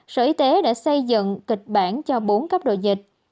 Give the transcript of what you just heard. sở y tế đã xây dựng kịch bản cho bốn cấp độ dịch